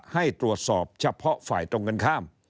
ให้ตรวจสอบเฉพาะฝ่ายตรงกันข้าม